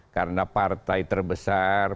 karena partai terbesar